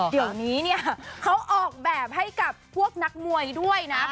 เดี๋ยวนี้เนี่ยเขาออกแบบให้กับพวกนักมวยด้วยนะ